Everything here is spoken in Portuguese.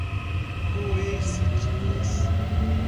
coercitivas